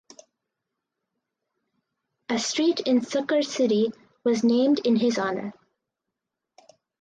A street in Sukkur city was named in his honor.